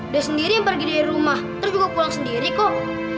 dia sendiri yang pergi dari rumah terus juga pulang sendiri kok